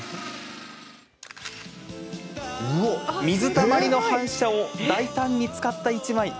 水たまりの反射を大胆に使った１枚。